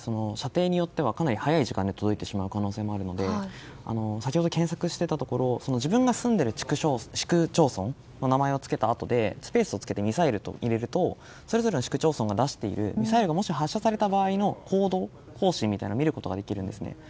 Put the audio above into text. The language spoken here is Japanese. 射程によってはかなり早い時間で届いてしまう場合もあるので先ほど検索してたところ自分が住んでいる地区町村をつけたあとでスペースをつけてミサイルと入れるとそれぞれの市区町村が出しているミサイルが発射された場合の行動方針を見ることができるんです。